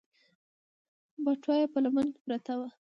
بټوه يې په لمن کې پرته وه.